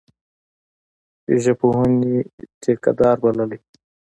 ژبپوهني ټیکه دار بللی.